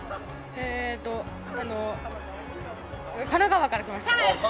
えーと神奈川から来ました。